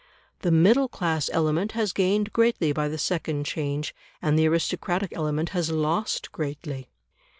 The middle class element has gained greatly by the second change, and the aristocratic element has lost greatly.